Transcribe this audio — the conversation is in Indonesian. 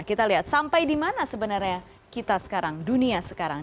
kita lihat sampai di mana sebenarnya kita sekarang dunia sekarang